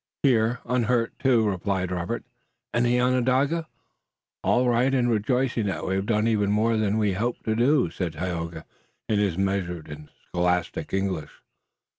"Here, unhurt, too," replied Robert. "And the Onondaga?" "All right and rejoicing that we have done even more than we hoped to do," said Tayoga, in his measured and scholastic English.